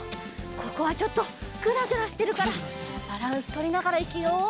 ここはちょっとぐらぐらしてるからバランスとりながらいくよ！